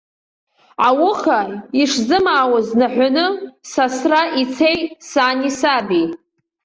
Ауха ишзымаауаз наҳәаны, сасра ицеит сани саби.